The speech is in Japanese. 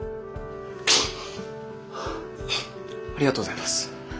ありがとうございます。